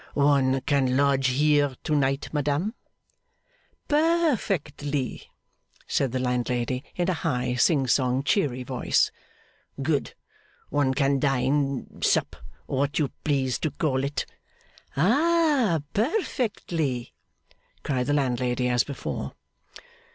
'One can lodge here to night, madame?' 'Perfectly!' said the landlady in a high, sing song, cheery voice. 'Good. One can dine sup what you please to call it?' 'Ah, perfectly!' cried the landlady as before.